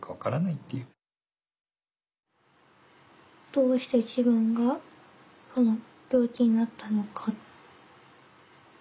どうして自分が病気になったのか。